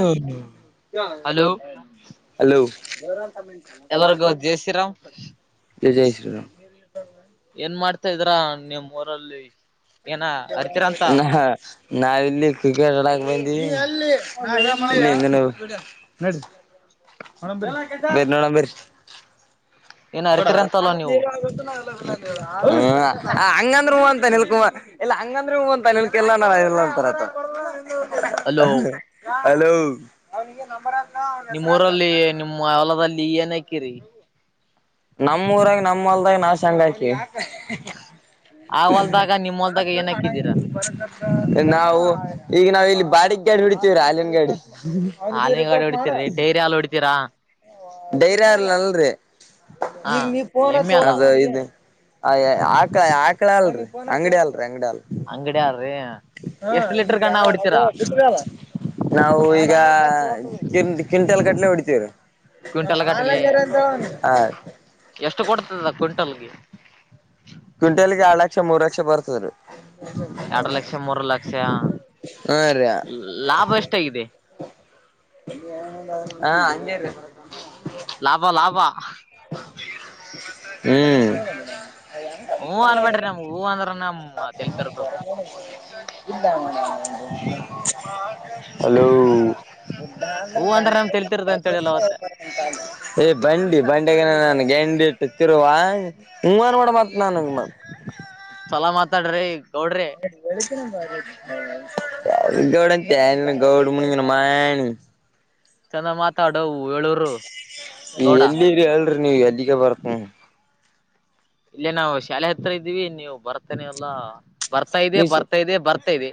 ಹ್ಮ ಹ hello [inaudible] low hello... ಎಲ್ಲರಿಗೂ ಜೈ ಶ್ರೀರಾಮ್ ಜೈ ಶ್ರೀರಾಮ್ ಏನ್ ಮಾಡ್ತಾ ಇದ್ರ ನಿಮ್ಮ್ ಊರಲ್ಲಿ. ಏನ ಅರಿತೀರಂತ ನಾ ನ ಇಲ್ಲಿ ಕ್ರಿಕೆಟ್ ಎಲ್ಲ.. ಬಂಗನ [inaudible] ಬರಿ ನೋಡ ಬರಿಿ. ಏನ ಅರಿತೀರಂತಲ್ಲ ನೀವು ಹಂಗಂದ್ ಅಂತ ನಿಲ್ಕುಮಾರ್... ಇಲ್ಲ ಹಂಗಂದ್ರೆ ಹ ಒ ಅಂತ ನಿಕಲ್ಲ ನಾವ್ ಎಲ್ಲ ಅಂತರ... ಹಲೋ... ಹಲೋ ಅವನಿಗೆ ನಂಬರ್ತ ಅವ ಹೆಸರ... ಲ್ಲಿಯನ ಕಿರಿ. ನಮ್ಮೂಊರಾಗ ನಮ್ಮಲ್ದಾಗ ನಾ ಶಂಗ ಹಕ. ಆ ಹೊಲ್ದಾಗ ನಿಮ್ ಹೊಲ್ದಾಗ ಏನ್ ಹಾಕಿದೀರಾ ನಾವು ಈಗ ನಾವ ಇಲ್ಲಿ... ಬಾಡಗ್ ಗಾಡಿ ಹಡಿತೀವ ರ ಅಾಲನ್ ಗಾಡಿ ಅವನಗ ಹಾಲಿನ ಗಾಡಿ ರಿಪಸ್ ಮಾಡೋ... ಹೊಡಿತೀರಿ ಡೈರಿ ಹಾಲು ಹೊಡಿತೀರಾ ಧೈರ್ಯ ಇಲ್ಲ ನಲ್ಲ... ಹಾ ಈ ಎಮ್ಮೆ ಅಲ್ಲ ಇ ಆ ಆಕಳ ಅಲ್ರಿ ಅಂಗಡಿ ಅಲ್ [inaudible] ಅಂಗಡಿಯ ಯಾರಿ... ಹಾ ಈಗ ಯ ಅ ಬಿಲ್ಲ ನಾವು ಈಗ... ಕಿಂಟಲ್ ಕಟ್ಲೆ ಬಿಡತರು ಹ ಕ್ವಿಂಟಲ್ ಗಟ್ಟಲೆ ಆಲಂದರಂತ ಎಷ್ಟು ಕೊಡ್ತದ ಕ್ವಿಂಟಲ್ಗೆ ಪಕ್ಷ ಬರ್ತದೆೀ ಎರಡ್ ಲಕ್ಷ ಮೂರ್ ಲಕ್ಷ ಹಾ ರೀ ಲಾಭ ಎಷ್ಟಾಗಿದೆ ಹಾ ಅಂಜೇ ಲಾಭ ಲಾಭ ಹ್ಮ್ ಹೂ ಅನ್ಬೇಡ್ರಿ ನಮ್ಗ್ ಹೂ ಅಂದ್ರ ನಮ್ ತೆಲಿ ತಿರ್ತದ ಇಲ್ಲ ಮ ಹಲೋ ಹೂ ಅಂದ್ರ ನಮ್ ತೆಲಿ ತಿರ್ತದ ಅಂತ ಹೇಳಿಲ್ಲ ಅವತ್ತ ಎ ಬ [unintelligible] ಗಂಡಿ ಬಂಡೆಗ ನನ್ಗೆ ಗಂಡಿ [unintelligible] ತಿವಾ ಹವಾರ ಮಾಡಡ ಮಾತ್ರನ ತಡ್ರ [unintelligible] ಹ ಬ [unintelligible] ಗೌಡ ಗೌಡ ಮ ಮಾಡನ ಚೆಂದ ಮಾತಾಡ ಈ ಎಲ್ಲಿರಿ ಹೇಳ್ರಿ ನೀವ್ ಎಲ್ಲಿಗೆ ಬರ್ತ [unintelligible] ನೀ ಇಲ್ಲೇ ನಾವು ಶಾಲೆ ಹತ್ರ ಇದ್ದೀವಿ ನೀವು ಬರ್ತೇನೆ ಅಲ್ಲಾ ಬರ್ತಾ ಇದೆ ಬರ್ತಾ ಇದೆ ಬರ್ತಾ ಇದೆ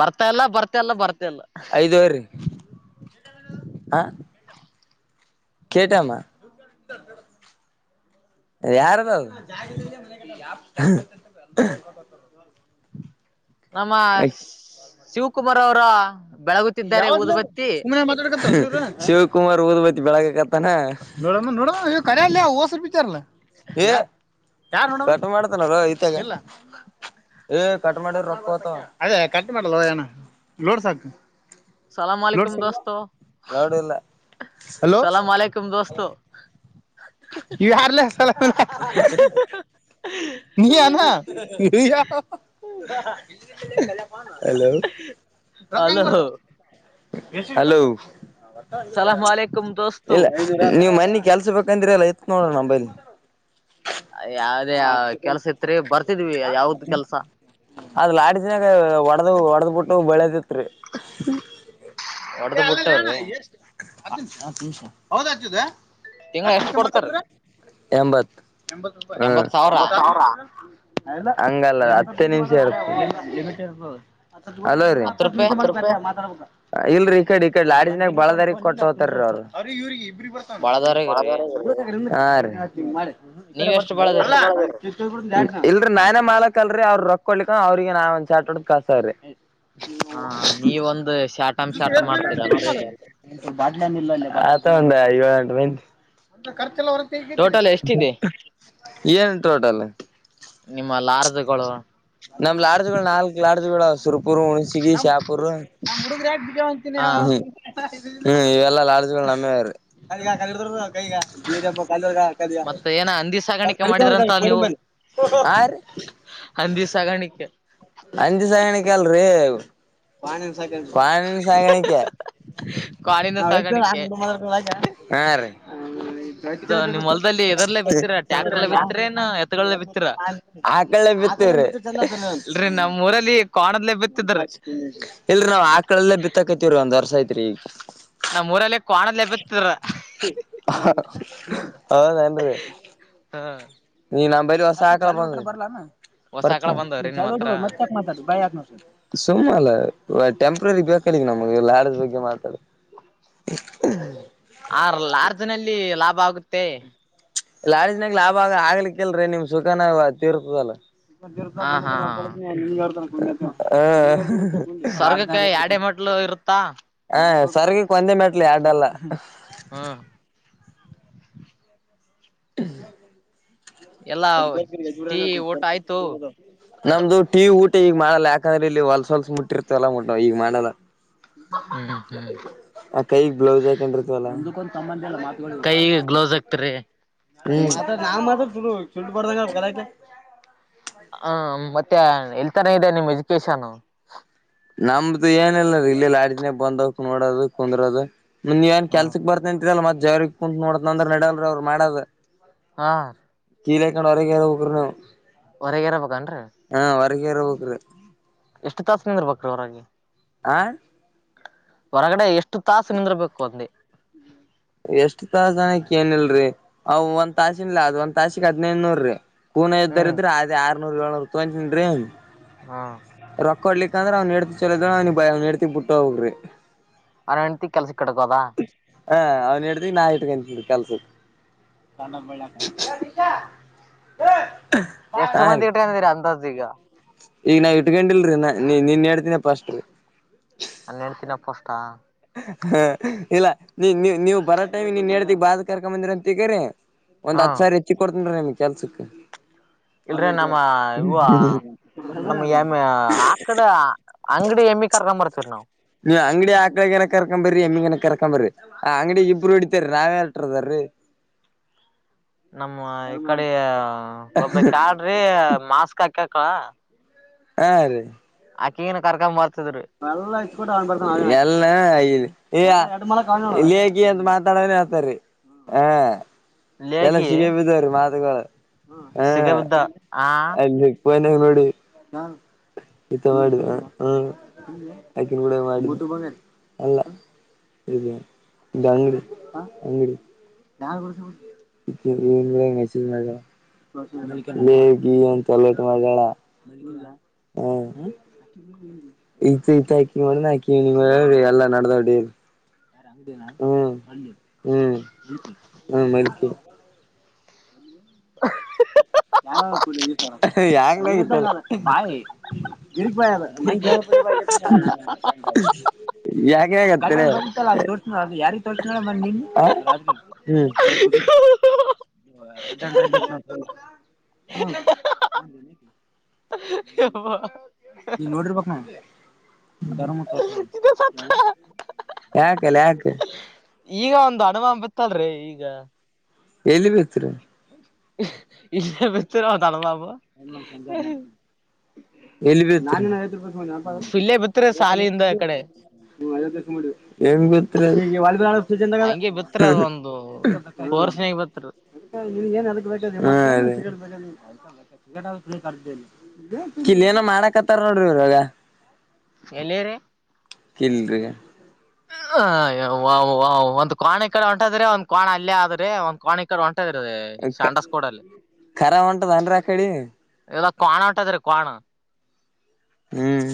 ಬರ್ತಾ ಎಲ್ಲ ಬರ್ತಾ ಎಲ್ಲ ಬರ್ತಾ ಇಲ್ಲ ಐದುವರಿ ಆ ಕಟಾಮ ಯಾರದಾವ ನಮ್ಮ ಶಿವಕುಮಾರ್ ಅವ್ರ ಯಾವ ಸತ ಶಿವಕುಮಾರ್ ಹಓದ್ ಬೆಳಗ್ತ್ತಾನ ನೋಡ ನೋಡ ಕಲ್ಲಯ ಹಸರು ಪಾರಲ್ಲ ಏ ಕಟ ಮಾಡ್ತನ ಇತ ಏ ಕಟ್ ಮಾಡಿ ರೊಕ್ಕತ ಅದೇ ಕಟ್ ಮಾಡಲ್ವ ಏನ ಲೋಡ್ ಸಾಕು ಸಲಾಂ ನೋಡ್ ನೋಡಿಲ್ಲ ಸಲಾಮಕುಮ ದೋಸ್ತೋ ನೀವ ಯಾರ್ಲ್ಲೇಸಲ್ಲ ನೀ ನ ಇ ಹಲೋ [unintelligible] ಹಲೋ ಹಲೋ ಸಲಾಂ ಅಲೈಕುಂ ದೋಸ್ತು ಇಲ್ಲ ನೀವು ಮನ್ನಿ ಕೆಲ್ಸ ಬ ಬಂದ್ರಲ್ಲ ಇತ್ತು ನೋಡೋಣ ನಂಬೈಲ್ಲಿ ಯಾವದೇ ಕೆಲ್ಸ ಇತ್ರಿ ಬರ್ತಿದ್ವಿ ಯಾವ್ದ ಕೆಲ್ಸ ಅದು ಲಾಡಿನಕ ಒಡದು ಒಡದು ಬಿಟ್ಟ ನೋ ಬೆಳೆದತ್ರಿ ಹೊಡ್ದ್ ಬಿಟ್ಟವ್ರಿ ನಿಷ ಹೌದ ಹತಿದೆ ತಿಂಗಳ ಎಷ್ಟ್ ಕೊಡ್ತಾರ ಎಂಬತ್ತು ಎಂಬತ್ ಸಾವಿರ ಹ್ಮಾವ ಹಂಗಲ್ಲ ಹತ್ತೇ ನಿಮಿಷ ಇರುತ್ತ ಹಲೋ ರೀ ಹತ್ ರೂಪಾಯಿ ಮಾತ ಇಲ್ರೀ ಈ ಕಡೆ ಈ ಕಡೆ ಲಾಡಿಜಿನಾಗ ಬಳದಾರಿ ಕೊಟ್ಟ ಹೋಗತಾರ ಅವ ಬಳದವ್ರಗ್ರಿ ಈ ನೀವ್ ಎಷ್ಟ್ ಬರ್ತ ಬಳದ್ರಿ ಇಲ್ರಿ ನಾನೇ ಮಾಲಕ್ ಅಲ್ರರಿ ಅವ್ರರು ರೊಕ್ಕೊಡ್ಲಿಿಕ ಅವ್ರಿಗೆಗ ನಾ ಒಂದಚಾಟೋಡ ಕಸ್ತ್ರಿ ಹ ನೀವೊಂದು ಶಾಟಂ ಶಾಟ ಮಾಡ್ತೀರಲ್ರರಿ ಬಾಲನ್ ಇಲ್ಲಾ ಒ ಐಂ ಮರ್ ಟೋಟಲ್ ಹೊ ಎಷ್ಟಿದೆ [unintelligible] ಏನ್ ಟೋಟಲ್ ನಿಮ್ಮಲ್ಲ ಆರ್ಜಗಳು ನಮ್ ಲಾಡ್ಜುಗಳು ನಾಲ್ಕ್ ಲಾಡ್ಜುಗಳು ಸುರ್ಪುರ್ ಹುಣಸಗಿ ಶಾಪುರ್ ಹ ಹ್ಮ್ ಹ ಹ್ಮ್ ಇವೆಲ್ಲಾ ಲಾಡ್ಜ್ಗಳು ನಮ್ಮೇವ್ರೀ ಕದಗ ಕಲ್ಲಡರು ಕೈಗ ನೀಪ್ಪ ಕರ್ ಕಲ್ಗ ಮತ್ತೆ ಏನ ಹಂದಿ ಸಾಗಾಣಿಕೆ ಮಾಡಿದ್ರಂತ ಪರಿ ಕಡಿ ನೀವು ಬಂದ ಯಾರ ನಂದಿವ ಸಾಗಾಣಕ್ಕೆ ಲ್ ಪಾಣಿನ ಸಾಗಾಣಿಕೆ ಕಾಳಿನ ಸಾಗಾಣಿಕೆ ನಾತಲ್ಲ ಇದು ನಿಮ್ ಹೊಲ್ದಲ್ಲಿ ಎದರ್ಲ್ಲೇ ಬಿತ್ತೀರಾ ಟ್ಯಾಕ್ಟರ್ಲ್ಲೇ ಹ ಬಿತ್ತೀರೇನ ಎತ್ಗಳಲ್ಲೇ ಬಿತ್ತೀರಾ ಆ ಕ [unintelligible] ್ಮ [unintelligible] ಇಲ್ರರಿ ನಮ್ಮ್ ಊರಲ್ಲಿ ಕೋಣದ್ಲೆ ಬಿತ್ತಿದ್ರಿ ಇಲ್ರಿ ನಾವ್ ಆಕಳಲ್ಲೇ ಬಿತ್ತಕತಿವ್ರಿ ಒಂದ್ ವರ್ಸ ಐತ್ರಿ ಈಗ ನಮೂಊರಲ್ಲಿ ಕಾಣದಬತ್ತರ ಹಾದನ್ ಹ ನೀ ನಮ್ ಬಲಿ ಹೊಸ ಆಕಳ‌ ಬಂದದ ಹೊಸ ಆಕಳ ಬಂದವ್ರೀ ನಿಮ್ಮ್ ಹತ್ರ [unintelligible] ಸುಮ್ನೆ ಅಲ್ಲ ಟೆಂಪ್ರರಿ ಬೇಕ ನಮಗೆ ಲಾಡ್ಜ್ ಬಗ್ಗೆ ಮಾತಾಡ [unintelligible] ಆರ್ ಲಾರ್ಜ್ನಲ್ಲಿ ಲಾಭ ಆಗುತ್ತೆ ಲಾಡ್ಜಿನಾಗ ಲಾಭ ಆಗ ಆಗ್ಲಿಕ್ಕೀಲ್ರೀ ನಿಮ್ ಸುಖನ ತೀರ್ತದಲ್ಲ ಹ ಹಾ [unintelligible] [unintelligible] ಇರ್ತಾ ಹಾ ಸರ್ಗಕ್ಕೊಂದೆ ಮೆಟ್ಲ ಯಾಡ್ಡಲ್ಲ ಹ್ಞೂಂ [inaudible] ಎಲ್ಲಾ ಟೀ ಊಟ ಆಯ್ತು [unintelligible] ನಮ್ದು ಟೀ ಈಗ ಮಾಡಲ್ಲಾ ಯಾಕಂದ್ರೆ ಇಲ್ಲಿ ಹೊಲ್ಸ ಹೊಲ್ಸ ಮುಟ್ಟಿರ್ತೀವಲ್ಲ ಈಗ ಮಾಡಲ್ಲ ಹ್ಮ್ ಹ್ಮ್ [unintelligible] ಆ ಕೈಗ್ ಬ್ಲೌಸ್ ಹಾಕೊಂಡ್ರಿತೀವಲ್ಲ ಕೈಗೆ ಗ್ಲೌಸ್ ಹಾಕ್ತಿರಿ [unintelligible] ಆ ಮತ್ತೆ ಎಲ್ತನ ಇದೆ ನಿಮ್ ಎಜುಕೇಶನ್ನು ನಮ್ದು ಏನಿಲ್ಲ ಇಲ್ಲೇ ಲಾಡ್ಜನ್ಯಾಗೆ ಬಂದವ್ಕ್ ನೋಡೋದು ಕುಂದ್ರೋದು ನೀವ ಏನ್ ಹ ಕೆಲ್ಸಕ್ ಬರ್ತ ಅಂತಿರಲ್ಲ ಮತ್ ಜವ್ರರಿಗ್ ಕುಂತ್ ನೋಡತನಂದ್ರ ನಡಲ್ರೀ ಅವ್ರು ಮಾಡದ ಹಾ [unintelligible] ಹೊರಗ ಇರಬೇಕೇನ್ರೀ ಹೀಗೆ ಇರಬೇಕ್ರೀ ಎಷ್ಟು ತಾಸ ನೀವ್ ಇರ್ಬೇಕ್ರಿ ಹೊರಗೆ ಆ ಹೊರಗಡೆ ಎಷ್ಟು ತಾಸು ನಿಂದರ್ಬೇಕು ಅಂದೆ ಎಷ್ಟ್ ತಾಸನ ಕೇಳಿಲ್ರೀ ಅವ ಒಂದ್ ತಾಸಿಗೆ ಒಂದ್ ತಾಸಿಗೆ ಹದ್ನೈದ ನೂರ್ರೀ ಪೂನ ಹ್ಮ್ ಇದರಿದ್ದರ ಅ ಆದೇ ಆರ್ನೂರ್ ಏಳ್ನೂರು ತುಗೊಂತೀನ್ರೀ ಹಾ ಕೊಡ್ಲಿಕ ಅಂದ್ರೆ ಅವ್ನಡ್ತಿ ಚಲೋ ಅವ್ನೆಡ್ತಿ ಬಿಟ್ಟ ಹೋಗ್ರಿ ಅವನಂಡತಿ ಕೆಲ್ಸಕ್ಕೆ ಕಡಕೋದಾ ಹಾ ಅವ್ನ್ ಹೆಂಡ್ತಿ ನಾ ಇಟ್ಕಂತಿನ್ರೀ ಕೆಲ್ಸಕ್ಕ ಹಾ ಎಷ್ಟು ಹಾ ರೀ ಮಂದಿ ಇಟ್ಕಂದಿರ ಅಂದಾಜು ಈಗ ಈಗ ನಾ ಇಟ್ಕೊಂಡಿಲ್ರೀ ನ ನೀ ನಿನ್ ಹೆಂಡ್ತೀನ ಫಷ್ಟ್ರೀ ನನ್ ಹೆಂಡ್ತಿನ ಫಷ್ಟ ಹಾ ಇಲ್ಲ ನೀ ನೀ ನೀವ್ ಬರೋ ಟೈಮಿ ನೀನ್ನೆಂಡತಿಗೆ ಬಾ ಅದ ಕರ್ಕಂಬಂದಿರ ಅಂತಿಗರೀ ಹ ಒಂದ್ ಹತ್ ಸಾವಿರ ಹೆಚ್ಚಿಗ್ ಕೊಡ್ತನ್ರೀ ನಿಮ್ಗ ಕೆಲ್ಸಕ್ ಇಲ್ರಿ ನಮ್ಮ ಇವ ನಮ್ ಎಮ್ ಆಕಡ ಅಂಗಡಿ ಕತ ನೀವ್ ಅಂಗಡಿ ಆಕಳಗನ ಕರ್ಕ್ಂಬರಿ ಎಮ್ಮಿಗನ ಕರ್ಕೊಂಬರ್ರಿ ಆ ಅಂಗಡಿಗೆ ಇಬ್ಬರು ಹೊಡಿತರಿ ನಾವೇಟರ್ದ್ರೀ [inaudible] ನಮ್ಮ ಈ ಕಡೆ ಒಬ್ಬಕಿ ಆಳ್ರೀ ಮಾಸ್ಕ್ ಹಾಕ [unintelligible] ಹಾ ರೀ ಆಕ್ಕಿಗುನು ಕರ್ಕಂಬ [unintelligible] ಎಲ್ಲಾ [unintelligible] ಎಲ್ಲ ಲೇಗಿ ಸಿಗಬಿದ್ದಾವ್ರೀ ಮಾತುಗಳು ಹ ಸಿಗಬಿದ್ದ ಆ ಅಲ್ಲಿ ಫೋನ್ಯಾಗ ನೋಡಿವಿ [unintelligible] [unintelligible] ಅಂಗಡಿ ಇ ವೀನು ಎಂಗಚ ಮ [unintelligible] ಹೇಗಿ ಅಂತ ಲೇಟ್ ಮಾಡಬೇಡ ಹಾ ಇ ಇತ ಹಾಕ ಮಣ ಹಾಕ ನೀ ಎಲ್ಲ ನಡೆದ ಹೊಡ ಹ್ಮ ಹ್ಮ್ ಹ್ಮ ಮಕ [unintelligible] ಹ [unintelligible] ಯಂಗ ಗಿರಿ ಬ [unintelligible] [unintelligible] [unintelligible] [unintelligible] [unintelligible] ಹ್ಮ ನೀನ್ ನೋಡಿರ್ಬೇಕ ನ ಇದ ಸತ್ತ ಬ ಯಕಲ್ಲ ಯಾಕ ಈಗ ಒಂದ್ ಅನುಮ ಬಿತ್ತಲ್ರಿ ಈಗ ಎಲ್ಲಿ ಬಿತ್ರರಿ ಇಲ್ಲ ಬಿತರ ತಳಮಪ [unintelligible] ಎಲ್ಲಿ ಬಿತ್ರಿ ಇಲ್ಲೇ ಬಿತ್ತಿರ ಸಾಲಿಯಿಂದ ಆ ಕಡೆ ಎಲ್ ಬಿತ್ರಿ ಚ ಹಂಗೆ ಬಿತ್ತಿರ ಅದ ಒಂದು ಫೋರ್ಸ್ನಾಗ ಬಿತ್ತಿರ [unintelligible] ನೀನ್ ಏನ್ ಅದಕ್ ಬೇಕಾದಾದ [unintelligible] ಕಿಲ್ ಏನ ಮಾಡಕತ್ತಾರ ನೋಡ್ರಿ ಇರಾಗ ಎಲ್ಲಿರಿ ಕಲ್ರಿ ಹ ಒ್ ಕೋಾಣ ಇಕಡೆ ಒಂಟದ್ರೆ ಒಂದ ಕೋಾಣ ಅಲ್ಲೇ ಆದ್ರೆ ಒಂದ್ ಕೋಾಣೆ ಕಡೆ ಒಂಟ ರದ ಶಾಂಡಸ್ ಕೂಡ ಅಲ್ಲ ಖರ ಹೊಂಟದನ್ರಿ ಆ ಕಡಿ ಕಾಣೋಟದ್ರೆ ಕಾಣ ಹ್ಮ್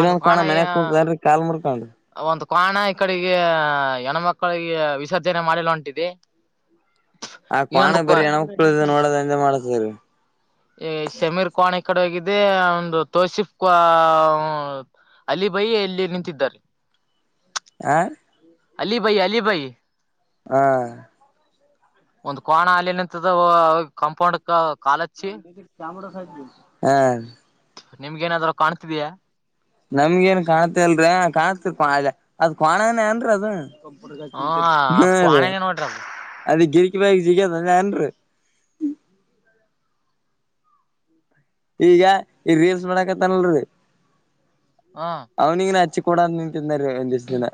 ಒಂದ್ ಕೋಣ ಕ್ವಾಣ ಮನ್ಯಾಗ ಕುೂಂತನ್ಿ ಕಾಲ್ ಮುರ್ಕೊಂಡ ಕಾಣ ಈ ಕಡೆಗೆ ಹೆಣ್ಮಕ್ಕಳಿಗೆ ವಿಸರ್ಜನೆ ಮಾಡಿಿಲ್ಲಂಟಿದೆ ಆ ಕ್ವಾಣ ಬರೀ ಎಣಕ್ಕಳ ನೋಡೋದ ಎಂದ ಮಾಡತರಿ. ಶಮೀರ್ ಕೋಾಣಿ ಕಡೆ ಹೋಗಿದ್ದ ಅೇ ಒಂದು ತೋಸಿಫ್ ಅಲಿಬೈಿ ಎಲ್ಲಿ ನಿಂತಿದ್ದಾರೆ [unintelligible] ಹ ಅಲಿ ಭೈ ಅಲಿ ಭೈ ಹ ಒಂದು್ ಕಾಣ ಅಾಲನಂತ ಕಾಂಪೌಂಡ್ ಕಾಲಚ್ಚಿ [inaudible] ಹಾ ರಿ. ನಿಮ್ಗೇಏನಾದ್ರು ಕಾಣ್ತಿದಯಾ ನಮ್ಗ ಏನ್ ಕಾಣತಿ ಅಲ್ರ ಕಾಣತಿ ಅದ್ ಕಣಾನೇ ಏನ್ರೀ ಅದು ಹ ಹಾ ಅದ್ ಅದೇ ಕ್ವಾಣನೇ ನೋಡ್ರಿ ಅದು ಅದ ಗಿರಿ ಬ ಜ ನ್ರು [unintelligible] [unintelligible] ಈಗ ಈ ರೀಲ್ಸ್ ಮಾಡಕತ್ತನ್ಲ್ರರಿ ಹ ಅವನಿಗ ನ ಹಚ್ಚ ಕೂಡ ನೀ ತಿಂದಾರಿ ಒಂದಿಸ್ ದಿನ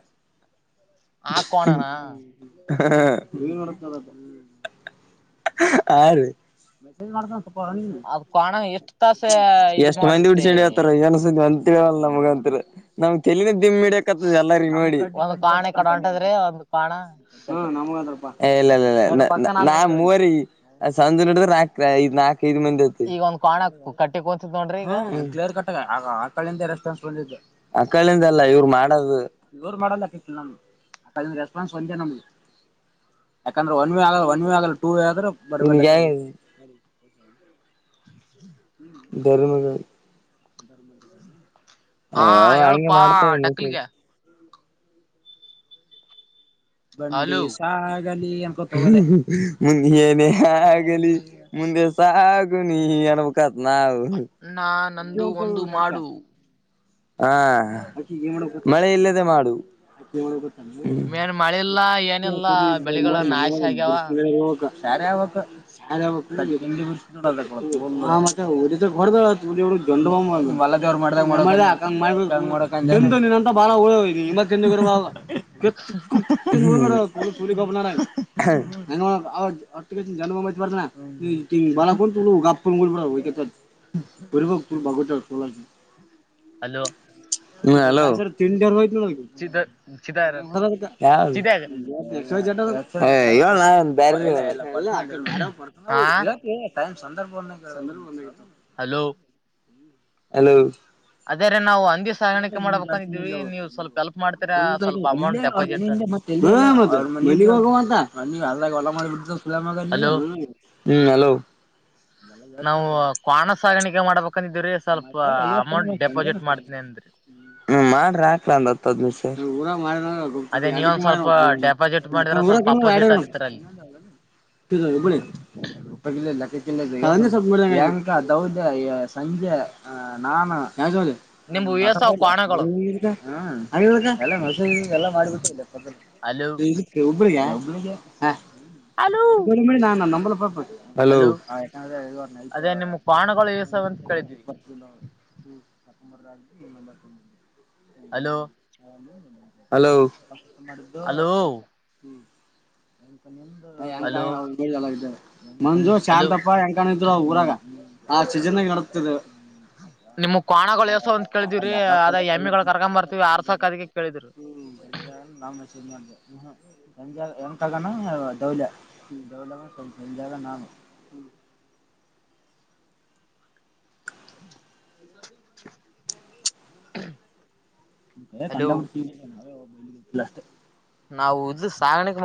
ಆ ಕೋಣನಾ ಹ ಆ ರ ಮಸ [unintelligible] ಅದ್ ಕ್ವಾಣ ಎಷ್ಟ ಎಷ್ಟ್ ಮಂದಿ ಉಡ್ಸಂಡಿ ಹೇಳತಾರ ಏನ ಸುದ್ದಿ ಒಂದು ತಿಳಿವಲ್ಲತ ನಮ್ಗ ಅಂತರು ನಮ್ ತೆಲಿ ಮ್ ಮಿಡ್ಯಾಕಟ್ಟದ್ ಎಲ್ಲರಿಗೂ ನೋಡಿ ಹ ಒಂದ್ ಕೋಣ ಈ ಕಡೆ ಹೊಂಟದ್ರೆ ಒಂದ್ ಕೋಣ ನಮೋ ಅದಾವ ಪಾ ಇಲ್ಲ ಇಲ್ಲ ಪಾ ನಾ ಮೂವರಿ ಸಂಜೆ ನಡಿದ್ರೆ ನಾಕ ಐದ್ ನಾಕ ಐದು ಮಂದಿ ಆತಿವಿ ಈಗ ಒಂದ್ ಕೋಣ ಯಾರ ಕಟ್ಟಿ ಕುಂತದ್ ನೋಡ್ರಿ ಹ ಈಗ ಕ್ಲಿಯರ್ ಕಟ್ಟಗ ಆ ಕಡೆಯಿಂದ ರೆಸ್ಪಾನ್ಸ್ ಬಂದಿದ್ದು ಅಕಾಡಿನಿಂದ ಅಲ್ಲ ಇವರು ಮಾಡೋದು ಅ ಅದಂದು ರೆಸ್ಪಾನ್ಸ್ ಒಂದೆ ನಮ್ಗೆ ಯಾಕಂದ್ರ ಒನ್ ವೆ ಆಗಲ್ಲ ಒನ್ ವೆ ಆಗಲ್ಲ ಟೂವೆ ಆದ್ರ ಬರ ಹಿಂಗ್ಯಾಗಿ. [unintelligible] [unintelligible] ಮಗ. ಹಾ ಹಂಗೆ ಎಳಪ್ಪಾ ಮಾಡ್ತಾವ ಮೆಸೇಜ್ ಡಕ್ಲಿಗ್ಯ. ಬಂಡಿ ಹಲೋ ಸಾಗ್ ಗಲ್ಲಿ ಎನ್ಕೊಂತ ಹೋಗಲೆ ಮುಂದೆ ಏನೆ ಆಗಲಿ ಮುಂದೆ ಸಾಗು ನೀ ಇಂಗೆ ಅನ್ಬೇಕಾತ ನಾವು ಅಣ್ಣ ನಂದು ಒಂದು [unintelligible] ಮಾಡು ಹಾ ಮಳೆ ಇಲ್ಲದೆ ಮಾಡು. ಹ್ಮ್ ಮೇನ್ ಮಳಿಲ್ಲ ಏನಿಲ್ಲ ಬೆಳೆಗಳ ನಾಶ ಆಗ್ಯಾವ [unintelligible] ಇರುವುಕ. ಸ್ಯಾನೆ ಆಬೆಕ್ ಸ್ಯಾನೆ ಅವೇಕಿಲ್ ಅಲ್ಲಿ ಹಿಂದಿನ ವರ್ಷ ನೋಡದಕ ಹ ಮತ್ತ [unintelligible] ಜಂಡು ಬಾಂಬ್ ಮಾಡ ಮಲದೇವ್ರ ಮಾಡದಂಗ [unintelligible] ತಿಂದ ಗರ್ವ ಆದ [unintelligible] [unintelligible] ಹಂಗ್ ಮಾಡಕ್ ಹೊಟ್ಟಿಗ್ ಹಚ್ಚಿ ಜಂಡು ಬಾಂಬ್ ಹಚ್ಚ ಬರ್ತನ ಹ್ಮ್ ಕಿಂಗ್ [unintelligible] [unintelligible] ಹಲೋ ಹ ಹಲೋ. ಹೋಗಿ ಅವ್ರ ಹಾಂಗ್ ಚಿದ ಚಿದಾರ ಹೊಡದ ಅದ್ಕ ಯಾವ್ದು [unintelligible] ಚಿದಾಗ [unintelligible] ಏ ಹೇಳ್ಲಾ ಎನ್ ಬ್ಯಾರೆ [unintelligible] ಟೈಮ್ ಸಂದರ್ಭ ಹಾ ಬಂದಂಗ ಹೇಳಬೇಕ ಸಂದರ್ಭ ಬಂದಾಗ ಹೇಳಬೇಕ. ಹಲೋ ಹಲೋ ಅದೇ ರೀ ನಾವು ಹಂದಿ ಸಾಗಾಣಿಕೆ ಮಾಡ್ಬೇಕಂದಿದ್ವಿ ನೀವು ಸ್ವಲ್ಪ ಹೆಲ್ಪ್ ಮಾಡ್ತೀರಾ [unintelligible] ಸ್ವಲ್ಪ ಅಲ್ಲೆ ಅಮೌಂಟ್ ಅವ್ರ ಮನಿ ಡೆಪಾಸಿಟ್ ಹಿಂದೆ ಮತ್ತ್ ಎಲ್ಲು ಹ ಮತ್ತ ಅವ್ರ ಮನಿಗ್ ಹೋಗು ಅಂತಅಲ್ಲಿ ಅಲ್ ಆಗ್ಯವ ಹಲೋ [unintelligible] ಹ್ಮ್ ಹಲೋ ನಾವು ಕ್ವಾಣ ಸಾಗಾಣಿಕೆ ಮಾಡ್ಬೇಕಂದಿದಿವ್ರೀ ಸ್ವಲ್ಪ ಅಮೌಂಟ್ ಡೆಪಾಸಿಟ್ ಮಾಡ್ತನಿ ಅಂದ್ರಿ. ಹ್ಮ ಮಾಡ್ರಿ ಆಕ್ಲ ಒಂದ್ ಹತ್ತ ಹೈದ್ನೈದ ಸಾವ್ರ ಇಲ್ಲ ಊರಾಗ ಮಾರ್ಯನ್ ಅಂದ್ರ ಅದೇ [unintelligible] ಎಡ್ಡಕೆ ನೀವೊಂದ್ ಮಾಡ್ಯಾನ್ ಸ್ವಲ್ಪ [unintelligible] ಡೆಪಾಸಿಟ್ ಮಾಡಿದ್ರ ಸ್ವಲ್ಪ ನಾ ಕೇಳೂರು ಎಡ್ಡೆ ಅಪೋಸಿಟ್ ಆತಿತ್ತರ ಅಲ್ಲಿ ಇರು ನೋಡು ಇಲ್ಲ ಇಬ್ಬರಿ [unintelligible] ಕಿಲ್ಲೇದೀ ಅಂವಗೆ ಸ್ವಲ್ಪ್ ನೋಡಿದಂಗ ಐತಿ ಯಾಂಕ ದೌದ ಯ ಸಂಜ್ಯ ಆ ನಾನ. ಹ್ಯಾಂಗ್ ಜೋಡಿ [unintelligible] ನಿಮ್ ಹ್ಮ್ ಏಸಾವ್ ಕ್ವಾಣಗಳು ಹಾಂಗ್ಯದಕ ಎಲ್ಲ ಮೆಸೇಜ್ ಎಲ್ಲ ಮಾಡ್ಬಿಟ್ಟರಲೆ ಪದರ ಹ ಹಲೋ ಇಲ್ಲಿಕ್ ಹುಬ್ಬಳಿಗ್ಯ ಹುಬ್ಬಳ್ಳಿಗೆ ಹ್. ಹಲೋ [unintelligible] ನ ನಮ್ಮಂಬಲ್ಲ ಪಾಪ. ಹಲೋ ಹ ಯಾಕಂದ್ರೆ ಅದೇ ನಿಮ್ ಕ್ವಾಣಗಳು ಏಸಾವ್ [unintelligible] ಅಂತ ಅಕಿ ಈಗ ಕೇಳಿದ್ವಿ ಬತ್ತ ನೋಡು [unintelligible] ಹಲೋ ಹಲೋ ಮಾಡಿದ್ದು ಹಲೋ [unintelligible] ಐತ ನಿಂದಾ ಅಂವ ಎಂಕ ಹಲೋ ಇಂವ ನಿಲ್ ಎಲ್ಲ ಇದ್ದ. ಮಂಜು ಹಲೋ ಶಾಂತಪ್ಪ ಎಂಕಣ್ಣ ಇದ್ರು ಆ ಊರಾಗ ಆ ಸೀಜನ್ಯಗ ಏಣಕ್ತೀದೊ. ನಿಮ್ಮು ಕ್ವಾಣಗೊಳು ಏಸ ಅವ ಅಂತ ಕೇಳಿದಿವವ್ರಿ ಅದ ಎಮ್ಮಿಗಳ ಕರ್ಗೊಂಡ್ ಬರ್ತೀವಿ ಆರ್ಸಕ ಅದಿಕ್ಕೆ ಕೇಳಿದೀವ್ರಿ. [unintelligible] ಆಗಣ ದೌಲ್ಯ ಹ್ಮ್ ದೌಲ್ಯಾ ಆಗಣ ಸಜ್ ಸಂಜ್ಯ ಆಗಣ ನಾನು ಹ್ಮ್. [inaudible] [inaudible] [inaudible] ಏ ಹಲೋ ಕಂಡಬಟೆ [unintelligible] ನಾವೆ ಹೋಗಿಲಿಲ್ ಅಷ್ಟೇ. ನಾವು ಉದು ಸಾಣಗ್ ಮಾಡ್.